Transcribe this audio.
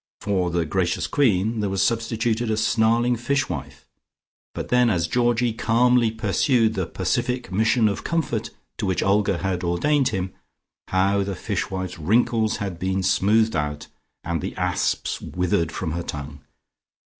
For the gracious queen, there was substituted a snarling fish wife, but then as Georgie calmly pursued the pacific mission of comfort to which Olga had ordained him, how the fish wife's wrinkles had been smoothed out, and the asps withered from her tongue.